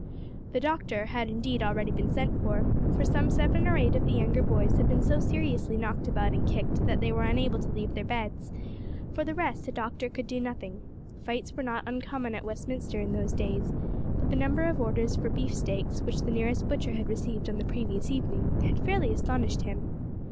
The doctor had indeed already been sent for, for some seven or eight of the younger boys had been so seriously knocked about and kicked that they were unable to leave their beds. For the rest a doctor could do nothing. Fights were not uncommon at Westminster in those days, but the number of orders for beef steaks which the nearest butcher had received on the previous evening had fairly astonished him.